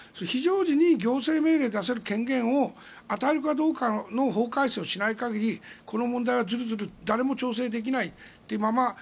非常時に行政命令を出せる権限を与えるかどうかの法改正をしない限りこの問題はずるずる誰も調整できないまま。